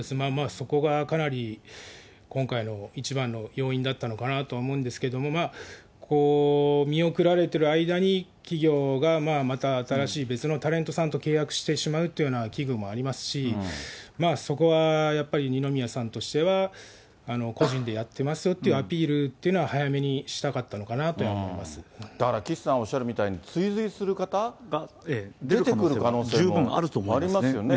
そこがかなり今回の一番の要因だったのかなとは思うんですけども、見送られてる間に、企業がまた新しい別のタレントさんと契約してしまうっていうような危惧もありますし、まあ、そこはやっぱり二宮さんとしては、個人でやってますっていうアピールっていうのは早めにしたかっただから岸さんおっしゃるみたいに、追随する方が出てくる可能性ありますよね。